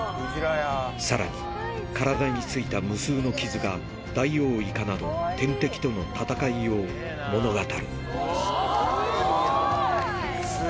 さらに、体についた無数の傷が、ダイオウイカなど天敵との闘いを物語る。